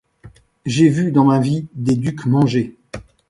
J’ai vu dans ma vie des ducs manger.